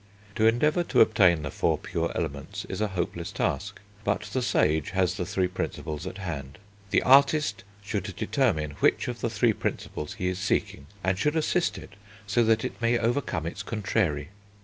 To endeavour to obtain the four pure Elements is a hopeless task. But the Sage has the three Principles at hand. "The artist should determine which of the three Principles he is seeking, and should assist it so that it may overcome its contrary."